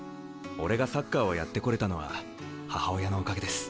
俺がサッカーをやってこれたのは母親のおかげです。